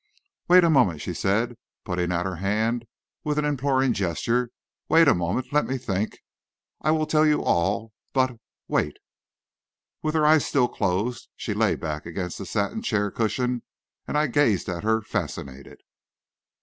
"Wait a moment," she said, putting out her hand with an imploring gesture. "Wait a moment. Let me think. I will tell you all, but wait " With her eyes still closed, she lay back against the satin chair cushion, and I gazed at her, fascinated.